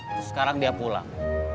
terus sekarang dia pulang